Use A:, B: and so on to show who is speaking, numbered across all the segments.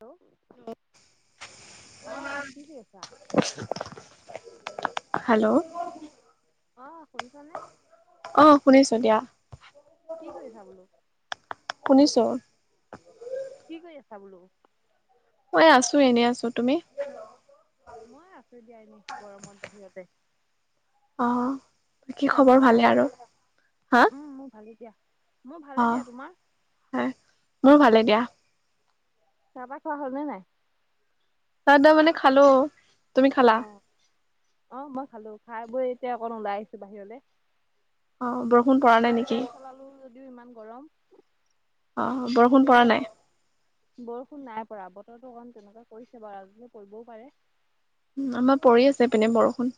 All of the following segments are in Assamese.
A: হেল্ল? ' অঁ কি কৰি আছা?
B: হেল্ল'?
A: অঁ শুনছনে?
B: অ শুনিছো দিয়া।
A: কি কৰিছা বোলো?
B: শুনিছো।
A: কি কৰি আছা বোলো?
B: মই আছো এনেই আছো, তুমি?
A: মই আছো দিয়া এনে গৰমত বাহিৰতে।
B: অ। বাকী
A: চাহ - তাহ
B: খবৰ
A: খালা?
B: ভালে আৰু হা
A: উম মোৰ ভালেই দিয়া মোৰ
B: অ
A: ভালে দিয়া, তোমাৰ?
B: হয়, মোৰ ভালে দিয়া।
A: চাহ পা খোৱা হ'লনে নাই?
B: চা দ মানে খালো, তুমি খালা?
A: অ অ মই খালো, খাই বৈ এতিয়া অকণ ওলাই আহিছো বাহিৰলে।
B: অ বৰষুণ পৰা নাই
A: তেওঁ
B: নেকি
A: ফেন চলালো যদিও ইমান গৰম।
B: অ হ বৰষুণ পৰা নাই?
A: বৰষুণ নাই পৰা, বতৰটো অকমান তেনেকুৱা কৰিছে বাৰ আজি পৰিবও পাৰে।
B: উম আমাৰ পৰি আছে ইপিনে বৰষুণ।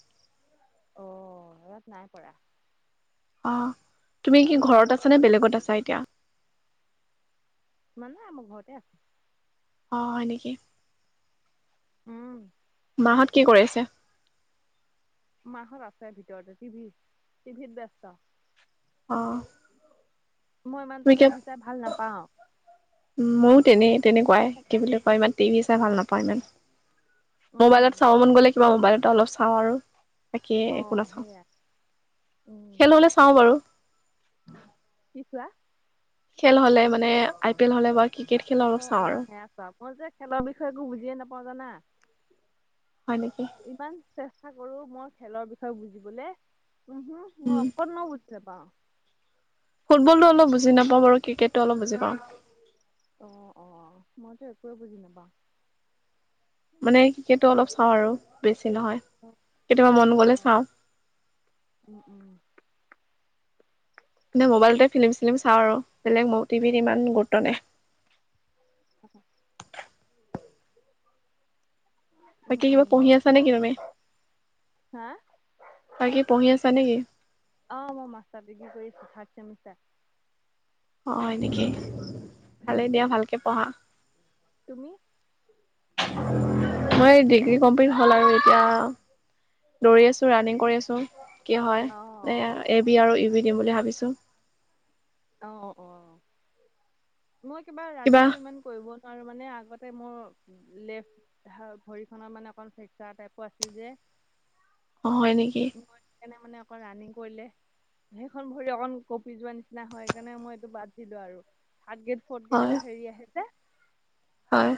A: অ ইয়াত নাই পৰা।
B: অহ, তুমি কি ঘৰত আছা নে বেলেগত আছা এতিয়া?
A: মানে মই ঘৰতে আছো।
B: অ হয় নেকি?
A: উম।
B: মাহত কি কৰি আছে?
A: মাহত আছে ভিতৰতে টিভি টিভিত ব্যস্ত।
B: অঁ।
A: মই, ইমান এটা টিভি চাই ভাল নাপাও।
B: মইয়ো তেনে তেনেকুৱাই কি বুলি কয় ইমান টিভি চাই ভাল
A: অ',
B: নাপাওঁ ইমান। মোবাইলত
A: উম,
B: চাব মন গ'লে, কিবা মোবাইলত অলপ চাওঁ আৰু। তাকে একো
A: অ',
B: নাচাওঁ!
A: সেয়া উম,
B: খেল হলে চাওঁ বাৰু।
A: কি চোৱা?
B: খেল হ'লে মানে- আই পি এল হলে বা ক্ৰিকেট‌।
A: অ, অ সেয়া চোৱা মই যে-খেলৰ বিষয়ে একো বুজিয়ে নাপাওঁ জানা।
B: হয় নেকি?
A: ইমান চেষ্টা কৰো মই খেলৰ বিষয়ে বুজিবলে। উমহু মই
B: উম
A: অকনো নাপাওঁ।
B: ফুবলতটো অলপ বুজি নাপাওঁ বাৰু, ক্ৰিকেটতো অলপ বুজি পাওঁ।
A: অ, অ মইতো একোৱে বুজি নাপাওঁ।
B: মানে, ক্ৰিকেটতো অলপ চাওঁ আৰু বেছি নহয়।
A: অ,
B: কেতিয়াবা মন
A: অ,
B: গ'লে চাওঁ
A: উম উম!
B: এনে, মোবাইলতে ফিলিম-চিলিম চাওঁ আৰু। বেলেগ ম টিভিত ইমান গুৰুত্ব নাই।
A: অ, উম,
B: বাকী কিবা
A: উম,
B: পঢ়ি আছা নেকি তুমি,
A: হা
B: বাকী পঢ়ি আছা নেকি?
A: অ মই মাষ্টাৰ ডিগ্ৰী কৰি আছো, থাৰ্ড ছেমিষ্টাৰ।
B: অ হয় নেকি? ভালে দিয়া ভালকে পঢ়া।
A: তুমি?
B: মই ডিগ্ৰী কমপ্লিট হল আৰু, এতিয়া দৌৰি আছো, ৰানিং কৰি আছো, কি হয় এই
A: অ',
B: এবি আৰু ইউ বি দিম বুলি ভাবিছোঁ।
A: অ, অ মই কিবা ৰানিংটো ইমান কৰিব নোৱাৰো, মানে আগতে মোৰ লেফ ভৰিখনৰ মানে অকন ফেকচাৰ টাইপৰ আছিল যে।
B: হয় নেকি
A: সেইকাৰণে মানে অকণ ৰানিং কৰিলে, সেইখন ভৰি অকণ কঁপি যোৱা নিচি না হয়, সেইকাৰণে মই এইটো বাদ দিলো আৰু। থাৰ্ড গেট, ফৰ্থ
B: হয়
A: গেটৰ হেৰি আহে যে
B: হয়!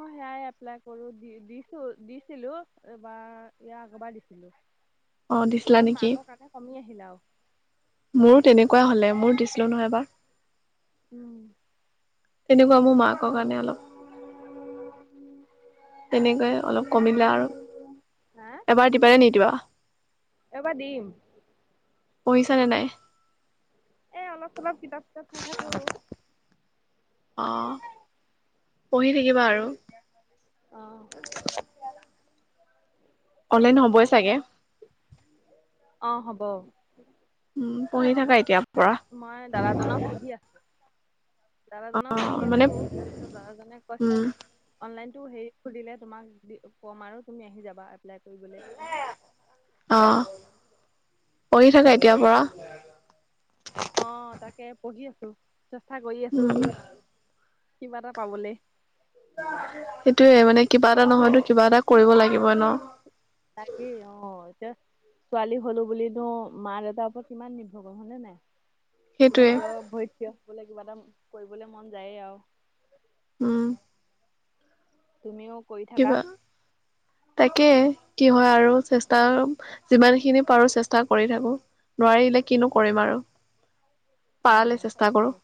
A: মই সেয়াই এপ্লাই কৰো দি দিছো দিছিলো, এইবাৰ ইয়াৰ আগৰবাৰ দিছিলো।
B: অ দিছিলা
A: অকণ
B: নেকি
A: মাৰ্কৰ কাৰণে কমি আহিল আৰু।
B: মোৰো তেনেকুৱা হ'লে, মোৰ দিছিলো নহয় এবাৰ।
A: উম!
B: তেনেকুৱা মোৰ মাকৰ কাৰণে অলপ তেনেকে অলপ কমিলে আৰু, এবাৰ দিবা নে নিদিয়া?
A: এবাৰ দিম।
B: পঢ়িছানে নাই?
A: এ অলপ চলপ কিতাপ-চিতাপ চাই থাকো।
B: অ পঢ়ি থাকিবা আৰু।
A: অ!
B: অনলাইন হ'বই চাগে।
A: অ হ'ব,
B: উম! পঢ়ি থাকা এতিয়াৰ পৰা।
A: মই দাদাজনক সুধি আছো!
B: অ
A: দাদাজনক সুধি
B: মানে
A: আছো, কিন্তু দাদাজনে
B: উম
A: কৈছে অনলাইনতো হেৰি খুলিলে তোমাক কম আৰু, তুমি আহি যাবা এপ্লাই কৰিবলে।
B: অ পঢ়ি থাকা এতিয়াৰ পৰা।
A: অ তাকে পঢ়ি আছো চেষ্টা কৰি আছো
B: উম
A: কিবা এটা পাবলে।
B: সেইটোয়ে মানে কিবা এটা নহয়তো কিবা এটা কৰিব লাগিবই ন।
A: তাকে অ এতিয়া। ছোৱালী হ'লো বুলি দ মা দেউতাৰ ওপৰত কিমান নিৰ্ভৰ কৰিম হয়নে নাই?
B: সেইটোৱে
A: নিজৰ ভৰিত থিয় হবলে কিবা এটা কৰিবলে মন যায়ে আও।
B: উম।
A: তুমিও কৰি থাকা?
B: কিবা তাকে কি হয় আৰু চেষ্টা যিমান খিনিপ পাৰো চেষ্টা কৰি থাকো নোৱাৰিলে কিনো কৰিম আৰু
A: অ
B: পাৰালে চেষ্টা
A: তাকে
B: কৰো।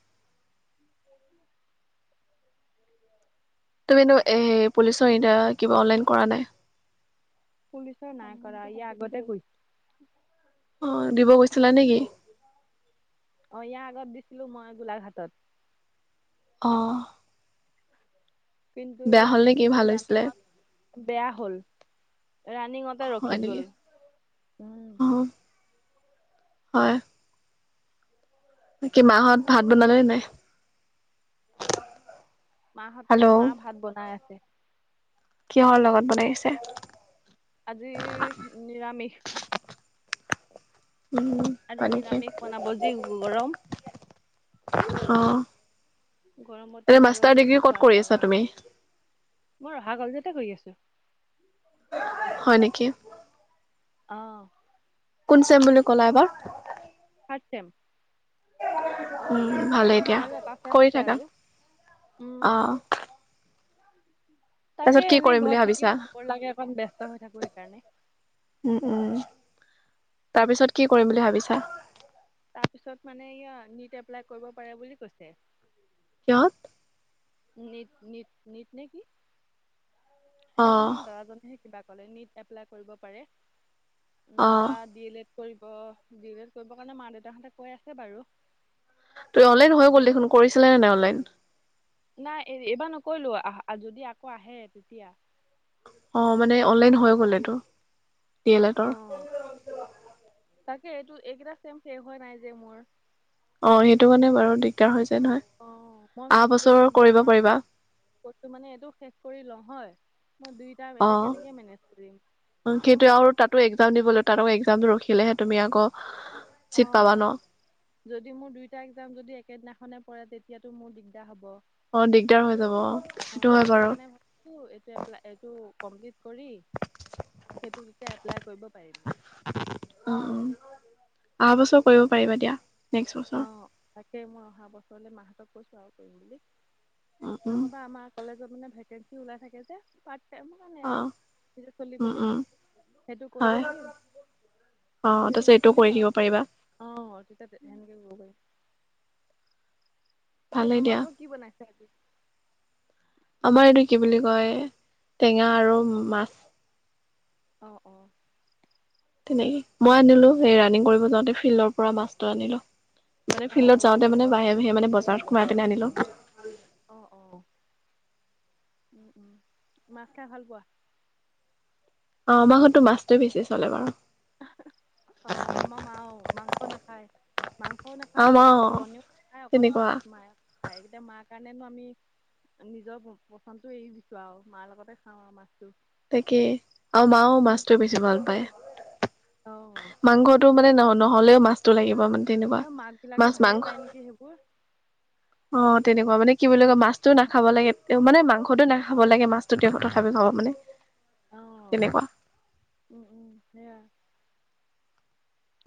B: তুমিনো এ পুলিচৰ ইদা কিবা অনলাইন কৰা নাই।
A: পুলিচৰ নাই কৰা ই আগতে কৈছ-
B: অ দিব গৈছিলা নেকি?
A: অ ইয়াৰ আগত দিছিলো মই গোলাঘাটত।
B: অ।
A: কিন্তু
B: বেয়া
A: মানে কি
B: নেকি
A: হ'ল
B: ভাল হৈছিলে
A: ৰাণিঙত বেয়া হ'ল ৰাণিঙতে
B: হয়
A: ৰখি
B: নেকি
A: গ'ল, উম।
B: অ হয়। বাকি মাঁহত ভাত বনালে নাই?
A: মাহঁতে মা
B: হেল্ল'
A: ভাত বনাই আছে।
B: কিহৰ লগত বনাই আছে?
A: আজি নিৰামিষ।
B: উম।
A: আজি
B: পানী খেত
A: নিৰামিষ বনাব যি গৰম
B: অ এ
A: গৰমতনো আৰু
B: মাষ্টাৰ
A: কি
B: ডিগ্ৰী
A: খোৱা
B: ক'ত কৰি
A: যায়
B: আছা
A: আৰু
B: তুমি?
A: মই ৰহা কলেজতে কৰি আছো।
B: হয় নেকি?
A: অ।
B: কোন চেম বুলি ক'লা এবাৰ?
A: Third sem.
B: উম ভালে এতিয়া
A: আৰু এটা চেম
B: কৰি
A: আছে
B: থাকা,
A: আৰু উম
B: অ।
A: তাকে
B: তাৰপিছত কি
A: এনে
B: কৰিম বুলি
A: ঘৰত থাকি
B: ভাবিছা
A: বৰ লাগে অকণ ব্যস্ত হৈ থাকো সেইকাৰণে।
B: উম উম তাৰ পিছত কি কৰিম বুলি ভাবিছা?
A: তাৰ পিছত মানে ইয়া নীট এপ্লাই কৰিব পাৰে বুলি কৈছে।
B: কিহত?
A: নীট নীট নীট নে কি
B: অ
A: সেইদিনাখনমান দাদাজনে হে কিবা ক'লে নীট এপ্লাই কৰিব পাৰে
B: অ
A: নহ'বা ডি এল এড কৰিব বি এল এড কৰিবৰ কাৰণে মা দেউতাহঁতে কৈ আছে বাৰু।
B: তোৰ অনলাইন হৈ গ'ল দেখোন কৰিছিলা নে নাই অনলাইন?
A: নাই এই এইবাৰ নকৰিলো আহ যদি আকৌ আহে তেতিয়া।
B: অ মানে অনলাইন হৈ গল এইটো ডি এল এটৰ।
A: তাকে এইটো এইকেইটা চেম শেষ হোৱা নাই যে মোৰ।
B: অ সেইটো কাৰণে বাৰু দিগদাৰ হৈ যায় নহয়।
A: অ মই
B: অহা
A: ভাবিলো
B: বছৰ
A: মই
B: কৰিব
A: মাহঁতক
B: পাৰিবা
A: ক'তটো মানে এইটো শেষ কৰি লওঁ হয় মই দুই টাই এতিয়া কেনেকৈ মেনেজ কৰিম।
B: সেইটোয়ে আৰু তাতো একজাম দিব লাগে, তাতো একজাম ৰখিলেহে তুমি আকৌ
A: অ,
B: চিট পাবা ন
A: যদি মোৰ দুইটা একজাম যদি একেদিনাখনে পৰে, তেতিয়াটো মোৰ দিগদাৰ হ'ব।
B: অ, দিগদাৰ হৈ যাব অ, সেইটো
A: অ'
B: হয় বাৰু।
A: সেইকাৰণে ভাবিছো এইটো এপ্লাই, এইটো কমপ্লিট কৰি, সেইটো তেতিয়া এপ্লাই কৰিব পাৰিম।
B: অ, অ, অহা বছৰ কৰিব পাৰিবা দিয়া, নেক্সট বছৰ।
A: তাকেই মই অহা বছৰলৈ মাহঁতক কৈছোঁ, আৰু কৰিম বুলি,
B: উম উম
A: নহ'বা আমাক কলেজত মানে ভেকেঞ্চি ওলাই থাকে যে, পাৰ্ট টাইমত। মানে আৰু
B: অ
A: এই,
B: উম,
A: চলিবলে
B: উম,
A: সেইটো কৰি
B: হয়
A: থাকিম।
B: অ, তাৰপিছত এইটো কৰি দিব পাৰিবা।
A: অ, তেতিয়া হেনেকে কৰিব পাৰিম। য়া,
B: ভালেই দিয়া
A: তোমালোকৰ কি বনাইছ আজি?
B: আমাৰ এইটো কি বুলি কয়, টেঙা আৰু মাছ।
A: অ, অ,
B: তেনেকে মই
A: উম
B: আনিলো সেই, ৰানিং কৰিব যাওঁতে ফিল্ডৰ পৰা মাছটো আনিলো, মানে
A: অঁ
B: ফিল্ডত
A: অঁ
B: যাওঁ মানে বাহিৰে-বাহিৰে মান বজাৰত সোমাই পেনে আনিলো।
A: অ, অ, মাছ খাই ভাল পোৱা।
B: অ, আমাৰ ঘৰতো মাছটো বেছি চলে বাৰু।
A: অ, আমা মাও মাংস নাখায়। মাংসও নাখায়,
B: আম অ,
A: কণীও নাখায়, অকল মাছ
B: তেনেকুৱা
A: খায়কেই এতিয়া নো মাৰ কাৰণে আমি নিজৰ পচন্দতটো এৰি দিছো আৰু, মাৰ লগতে খাওঁ আৰু মাছটো।
B: তাকেই আৰু আমা মাও
A: উম
B: মাছটো বেছি ভাল পায়।
A: অ,
B: মাংসটো মানে ন, নহ'লেও মাছটো লাগিব মানে।
A: ত,
B: তেনেকুৱা
A: মাক বিলাকে
B: মাছ
A: ভালেই
B: মাংস
A: পায় নেকি সেইবোৰ।
B: অ, তেনেকুৱা মানে, কি বুলি কয় মাছতো নাখাব লাগে, মানে মাংসটো নাখাব লাগে, মাছটো দেহতৰ খাবি, খাব মানে
A: অ
B: তেনেকুৱা
A: উম, উম, সেয়া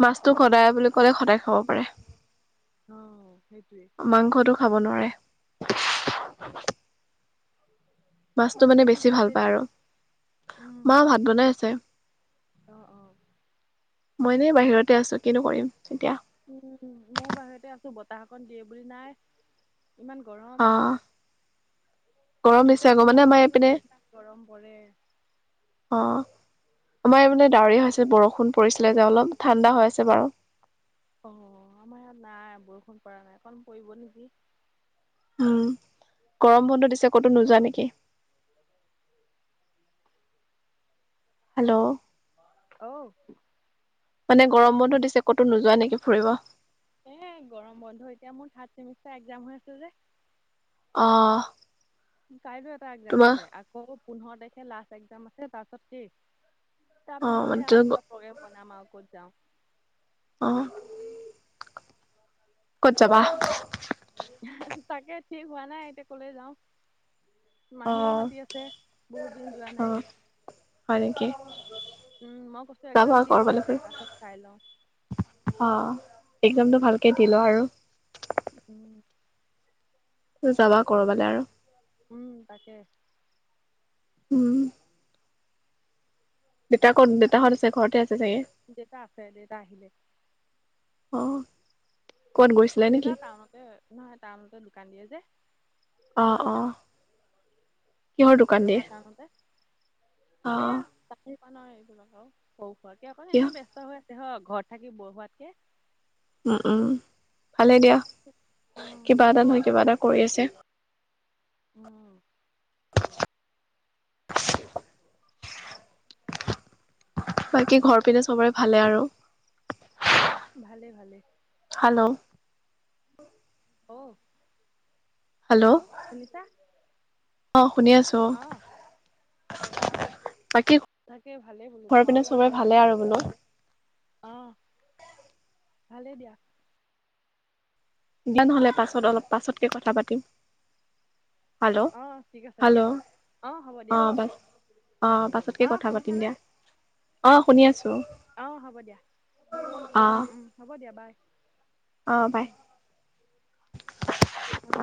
B: মাছটো সদায় বুলি ক'লে সদায় খাব পাৰে।
A: অ, সেইটোৱে।
B: মাংসটো খাব নোৱাৰে। মাছতটো মানে
A: মাহঁতে কি
B: বেছি ভাল
A: কৰিছে
B: পায়
A: এতিয়া
B: আৰু,
A: উম
B: মা ভাত বনাই আছে।
A: অ, অ,
B: মই এনে বাহিৰতে আছো, কিনো কৰিম এতিয়া।
A: উম, মই বাহিৰতে আছো বতাহ অকন দিয়ে বুলি নাই। ইমান
B: অ
A: গৰম।
B: গৰম দিছে
A: ভিতৰ
B: আকৌ মানে
A: ফেনৰ
B: আমাৰ
A: পতাহ
B: এইপিনে
A: ল'লে তা, গৰম পৰে।
B: অ, আমাৰ মানে ডাৱৰীয়া হৈছে বৰষুণ পৰিছিলে যে অলপ, ঠাণ্ডা হৈ আছে বাৰু।
A: অ, আমাৰ ইয়াত নাই বৰষুণ কৰা নাই, অকণ পৰিব নেকি।
B: উম, গৰম বন্ধ দিছে ক'তো নোযোৱা নেকি? হেল্ল,
A: অও,
B: মানে গৰম বন্ধ দিছে ক'তো নোযোৱা নেকি ফুৰিব?
A: এ গৰম বন্ধ এতিয়া মোৰ থাৰ্ড চেমিষ্টাৰ একজাম হৈ আছিল যে।
B: অঁ।
A: কাইলৈ এটা একজাম আছে, আকৌ পোন্ধৰ তাৰিখে লাষ্ট একজাম আছে তাৰপিছত শেষ। তাৰ
B: অ মানে
A: পিছতহে আৰু কিবা প্ৰগ্ৰেম বনাম আৰু ক'ত যাওঁ।
B: অঁ। ক'ত যাবা?
A: তাকে ঠিক হোৱা নাই এতিয়া কলে যাওঁ।
B: অ
A: মাহীও মাতি আছে বহুত দিন যোৱা
B: অ
A: নাই।
B: হয় নেকি
A: উম, মই কৈছো
B: যাবা
A: একজাম দি লওঁ
B: কৰবালৈ
A: ৰ'বা
B: ফুৰিব
A: তাৰপাছত চাই লওঁ।
B: অ' একদমটো ভালকে দিলো আৰু।
A: উম।
B: যাবা কৰবালে আৰু।
A: উম তাকে।
B: উম। দেউতা কত দেতাহঁত আছে ঘৰতে আছে চাগে।
A: দেউতা আছে, দেউতা আহিলে।
B: অঁ।
A: দেউতা টাউনতে নহয় টাউনতে দোকান দিয়ে যে।
B: অ' অ' কিহৰ দোকান দিয়ে
A: ৰহা টাউনতে
B: অ'।
A: এয়া চাকৰি এইবিলাক আৰু পৰু খাকে অকণ
B: কিয়
A: এনে ব্যস্ত হৈ আছে হ ঘৰত থাকি বৰ হোৱাতকে। [unintelligible]
B: উম উম, ভালেই দিয়া
A: উম
B: কিবা এটা নহয় কিবা এটা কৰি আছে।
A: উম।
B: বাকী ঘৰ পিনে চবৰে ভালে আৰু।
A: ভালে ভালে।
B: হেল্ল'।
A: অ' হেল্ল' শুনিছা?
B: অ' শুনি আছো
A: অ
B: বাকী।
A: তাকে ভালেই বোলো,
B: ঘৰ পিনে
A: তোমালোকে
B: চবৰে
A: ভাল
B: ভালে
A: আছে
B: আৰু বোলো
A: আহ। ভালেই দিয়া।
B: দিয়া নহ'লে পাছত অলপ পাছতকে কথা পাতিম। হেল্ল'
A: অ ঠিক আছে
B: হেল্ল'
A: দিয়া অ হ'ব দিয়া
B: অ' পাছত। অ' পাছতকে কথা পাতিম দিয়া, আহ শুনি আছো।
A: অ হ'ব দিয়া
B: অঁ।
A: হ'ব দিয়া বাই।
B: অঁ বাই।
A: উম অঁ।